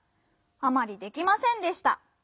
「あまりできませんでした」。